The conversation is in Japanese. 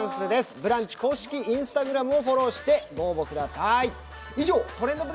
ブランチ公式Ｉｎｓｔａｇｒａｍをフォローして応募してください。